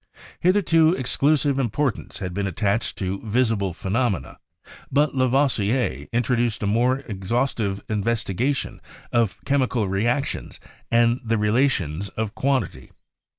Hitherto exclusive importance had been at tached to visible phenomena, but Lavoisier introduced a more exhaustive investigation of chemical reactions and the relations of quantity.